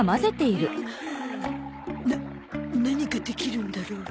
な何ができるんだろう？